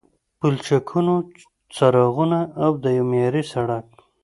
پلچکونو، څراغونو او د یوه معیاري سړک